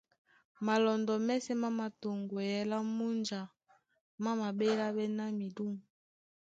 Malɔndɔ́ mɛ́sɛ̄ má mātoŋgweyɛɛ́ lá múnja, má maɓéláɓɛ́ ná midû.